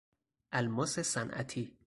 الماس صنعتی